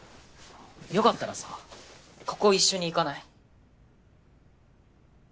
よかったらさここ一緒に行かない？